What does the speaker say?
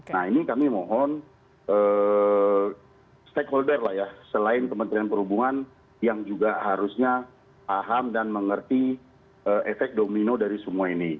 nah ini kami mohon stakeholder lah ya selain kementerian perhubungan yang juga harusnya paham dan mengerti efek domino dari semua ini